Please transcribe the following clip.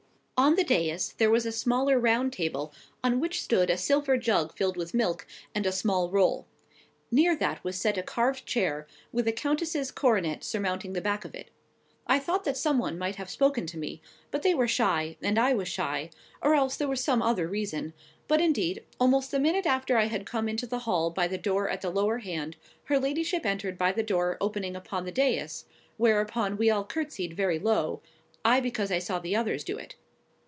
On the dais there was a smaller round table, on which stood a silver jug filled with milk, and a small roll. Near that was set a carved chair, with a countess's coronet surmounting the back of it. I thought that some one might have spoken to me; but they were shy, and I was shy; or else there was some other reason; but, indeed, almost the minute after I had come into the hall by the door at the lower hand, her ladyship entered by the door opening upon the dais; whereupon we all curtsied very low; I because I saw the others do it.